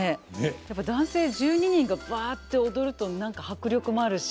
やっぱり男性１２人がぶわって踊ると何か迫力もあるし。